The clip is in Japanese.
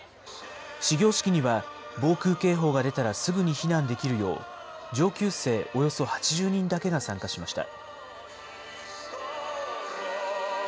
始業式には防空警報が出たらすぐに避難できるよう、上級生およそ８０人だけが参加しました。